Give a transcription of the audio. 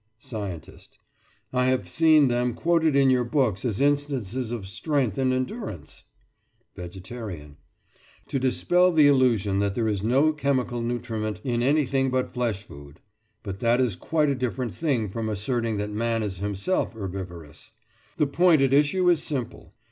SCIENTIST: I have seen them quoted in your books as instances of strength and endurance—— VEGETARIAN: To dispel the illusion that there is no chemical nutriment in anything but flesh food; but that is quite a different thing from asserting that man is himself herbivorous. The point at issue is simple.